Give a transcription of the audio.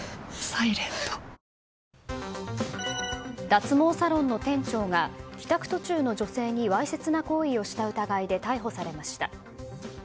脱毛サロンの店長が帰宅途中の女性にわいせつな行為をした疑いで逮捕されました。